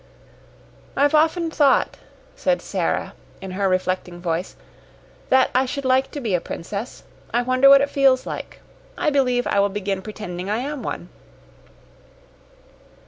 "I've often thought," said Sara, in her reflecting voice, "that I should like to be a princess; I wonder what it feels like. I believe I will begin pretending I am one."